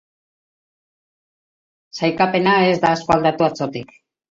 Sailkapena ez da asko aldatu atzotik.